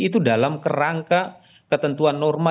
itu dalam kerangka ketentuan norma